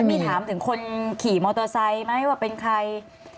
มีถามถึงคนขี่มอเตอร์ไซค์ไหมว่าเป็นใคร